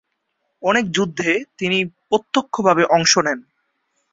অনেক যুদ্ধে তিনি প্রত্যক্ষভাবে অংশ নেন।